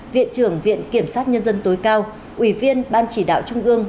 viện trưởng viện kiểm sát nhân dân tối cao ủy viên ban chỉ đạo trung ương